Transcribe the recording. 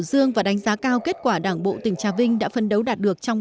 dương và đánh giá cao kết quả đảng bộ tỉnh trà vinh đã phân đấu đạt được trong các trường hợp